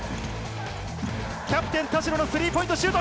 キャプテンのスリーポイントシュート！